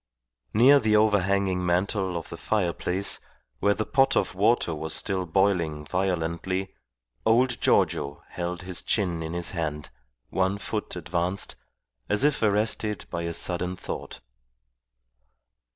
Near the overhanging mantel of the fireplace, where the pot of water was still boiling violently, old Giorgio held his chin in his hand, one foot advanced, as if arrested by a sudden thought.